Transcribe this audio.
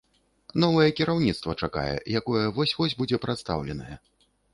Новае кіраўніцтва чакае, якое вось-вось будзе прадстаўленае.